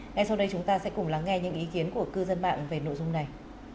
ngay sau đây chúng ta sẽ cùng lắng nghe những ý kiến của cư dân mạng về nội dung này